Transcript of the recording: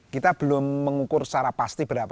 kita belum mengukur secara pasti berapa sebenarnya naik